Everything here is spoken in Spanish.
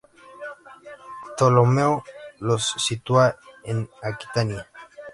Ptolomeo los sitúa en Aquitania.